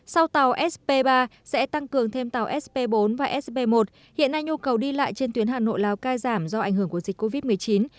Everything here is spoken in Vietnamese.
sau tàu sp ba sẽ tăng cường thêm tàu sp bốn và sp một hiện nay nhu cầu đi lại trên tuyến hà nội lào cai giảm do ảnh hưởng của dịch covid một mươi chín